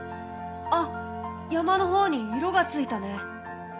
あ山の方に色がついたね！